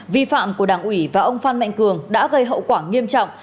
vi phạm của đảng ủy và ông phan mạnh cường đã gây hậu quả nghiêm trọng